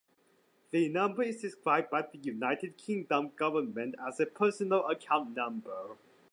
The number is described by the United Kingdom government as a "personal account number".